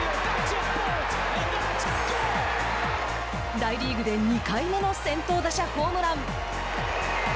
大リーグで２回目の先頭打者ホームラン。